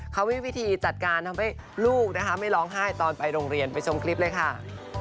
เขามีวิธีจัดการทำให้ลูกนะคะไม่ร้องไห้ตอนไปโรงเรียนไปชมคลิปเลยค่ะ